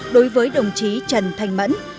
đối với đồng chí trần